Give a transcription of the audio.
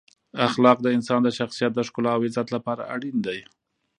اخلاق د انسان د شخصیت د ښکلا او عزت لپاره اړین دی.